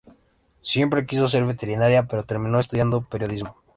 Siempre quiso ser veterinaria, pero terminó estudiando periodismo.